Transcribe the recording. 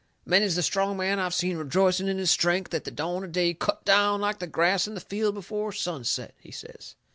Many's the strong man I've seen rejoicing in his strength at the dawn of day cut down like the grass in the field before sunset," he says.